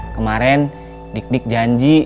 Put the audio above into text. kemaren dik dik janji